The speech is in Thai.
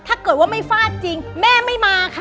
ถ้าเกิดว่าไม่ฟาดจริงแม่ไม่มาค่ะ